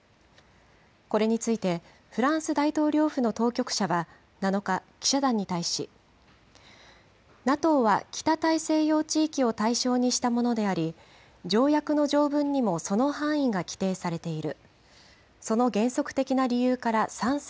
これについて、フランス大統領府の当局者は７日、記者団に対し、ＮＡＴＯは北大西洋地域を対象にしたものであり、条約の条文にもその範囲が規定されている。